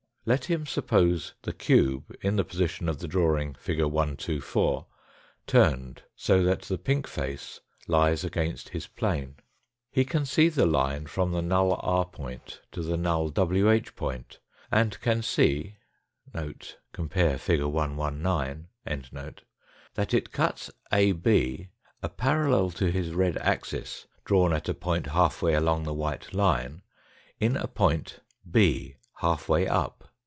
Let him suppose the cube, in the position of the drawing, fig. 124, turned so that the pink face lies against his plane. He can see the line from the null r point to the null ivh point, and can see (compare fig. 119) that it cuts A& a parallel to his red axis, drawn at a point half way along the white line, in a point B, half way up.